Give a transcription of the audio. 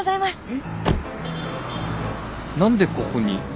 えっ！？何でここに？